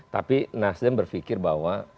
tapi nasdem berfikir bahwa